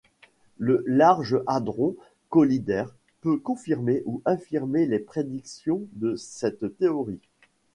Le Large Hadron Collider peut confirmer ou infirmer les prédictions de cette théorie.